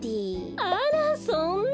あらそんな。